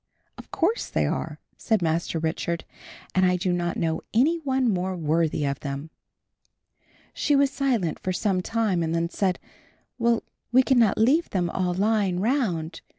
"Of course they are," said Master Richard, "and I do not know any one more worthy of them." She was silent for some time and then said, "Well, we cannot leave them all lying round.